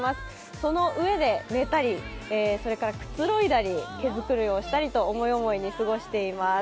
その上で寝たり、それからくつろいだり、毛づくろいをしたりと思い思いにスゴしています。